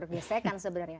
biasa kan sebenarnya